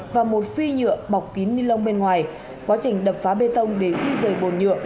và một phi nhựa bọc kín ni lông bên ngoài quá trình đập phá bê tông để di rời bồn nhựa